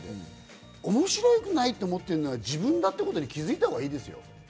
面白くないと思っているのは自分だってことに気づいたほうがいいですよ。